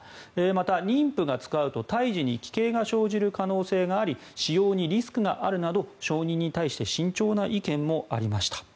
また、妊婦が使うと胎児に奇形が生じる可能性があり使用にリスクがあるなど承認に対して慎重な意見もありました。